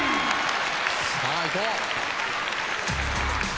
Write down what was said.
さあいこう。